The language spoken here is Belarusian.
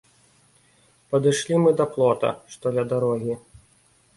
Падышлі мы да плота, што ля дарогі.